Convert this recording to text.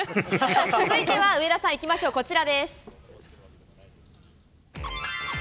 続いては上田さん、行きましょう、こちらです。